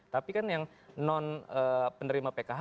tapi kan yang non penerima pkh